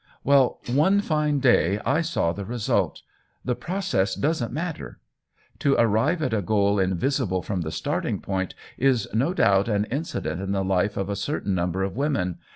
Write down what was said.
" Well, one fine day I saw the result ; the process doesn't matter. To arrive at a goal invisible from the starting point is no doubt an incident in the life of a certain number of women.